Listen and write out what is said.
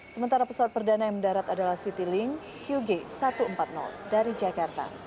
sementara pesawat perdana yang mendarat adalah citylink qg satu ratus empat puluh dari jakarta